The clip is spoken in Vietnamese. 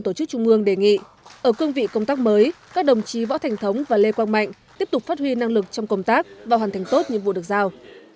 tổ chức trung ương đề nghị ở cương vị công tác mới các đồng chí võ thành thống và lê quang mạnh tiếp tục phát huy năng lực trong công tác và hoàn thành tốt nhiệm vụ được giao